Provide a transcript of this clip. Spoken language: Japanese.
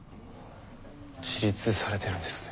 自立されてるんですね。